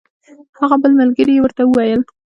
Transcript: هغه بل ملګري یې ورته وویل.